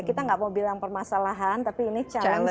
kita tidak mau bilang permasalahan tapi ini challenge ya